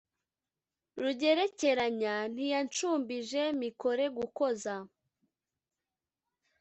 rugerekeranya ntiyashumbije mikore gukoza,